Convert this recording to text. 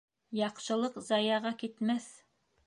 Яҡшылыҡ заяға китмәҫ.